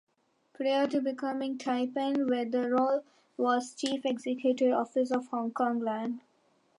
Prior to becoming "Taipan", Weatherall was chief executive officer of Hongkong Land.